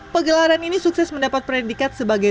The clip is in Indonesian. pegelaran ini sukses mendapat predikat sebagai